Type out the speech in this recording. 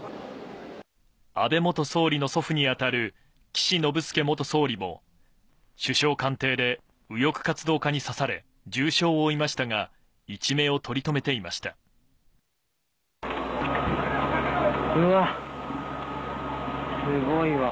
安倍元総理の祖父に当たる岸信介元総理も、首相官邸で右翼活動家に刺され、重傷を負いましたが、一命を取りうわ、すごいわ。